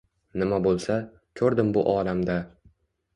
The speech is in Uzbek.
Nima bo‘lsa, ko‘rdim bu olamda